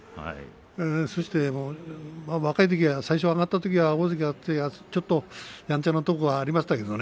そして若いときは最初は上がったときは大関になってちょっとやんちゃなところありましたけれどもね。